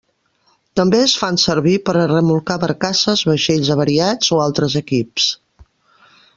També es fan servir per a remolcar barcasses, vaixells avariats o altres equips.